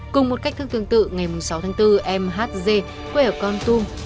cùng một cách thương tương tự ngày sáu bốn mhd quê ở con tum